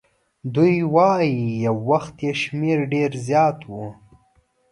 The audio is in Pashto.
دوی وایي یو وخت یې شمیر ډېر زیات وو.